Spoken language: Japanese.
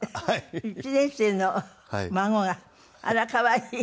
１年生の孫があら可愛い！